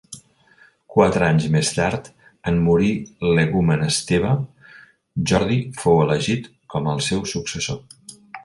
Quatre anys més tard, en morir l'hegumen Esteve, Jordi fou elegit com al seu successor.